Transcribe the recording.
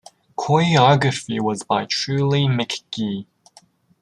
Choreography was by Truly McGee.